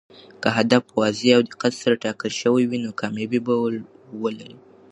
که هدف واضح او دقت سره ټاکل شوی وي، نو کامیابي به ولري.